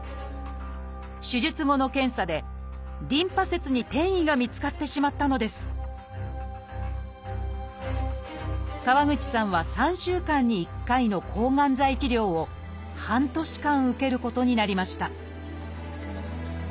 手術後の検査でリンパ節に転移が見つかってしまったのです川口さんは３週間に１回の抗がん剤治療を半年間受けることになりました